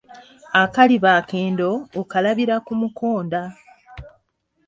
Akaliba akendo, okalabira ku mukonda